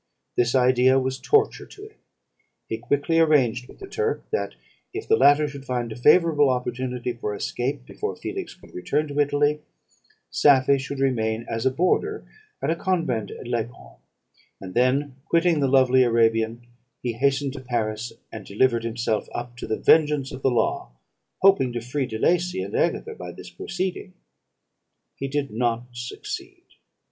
This idea was torture to him. He quickly arranged with the Turks, that if the latter should find a favourable opportunity for escape before Felix could return to Italy, Safie should remain as a boarder at a convent at Leghorn; and then, quitting the lovely Arabian, he hastened to Paris, and delivered himself up to the vengeance of the law, hoping to free De Lacey and Agatha by this proceeding. "He did not succeed.